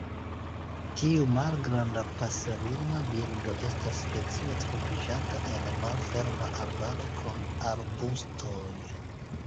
Tiu malgranda paserina birdo estas specio troviĝanta en malferma arbaro kun arbustoj.